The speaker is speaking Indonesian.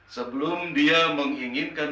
sebelum dia menginginkan